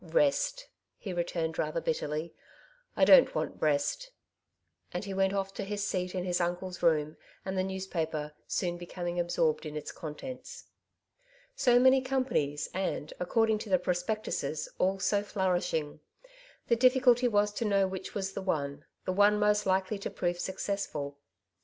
* ''Rest," he returned rather bitterly; ''I don't want rest." And he went off to his seat in Ids uncle's room and the newspaper, soon becoming absorbed in its contents. So many companies, and, according to the pro spectuses, all so flourishing. The difficulty was to know which was the one — the one most likely to prove successful.